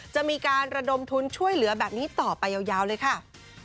จะมีการระดมทุนช่วยเหลือแบบนี้ต่อไปยาวเลยค่ะ